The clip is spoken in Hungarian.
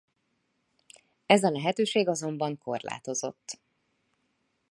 Ez a lehetőség azonban korlátozott.